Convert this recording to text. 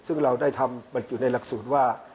ซึ่งเราได้ทำบรรจุในหลักสูตรว่า